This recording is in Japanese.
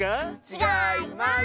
ちがいます。